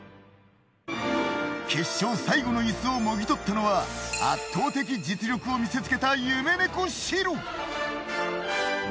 決勝最後の椅子をもぎ取ったのは圧倒的実力を見せつけた夢猫シロ。